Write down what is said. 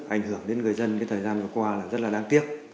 ảnh hưởng đến người dân cái thời gian vừa qua là rất là đáng tiếc